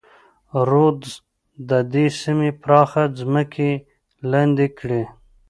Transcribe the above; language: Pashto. رودز د دې سیمې پراخه ځمکې لاندې کړې.